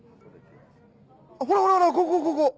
ほらほらほらここここ。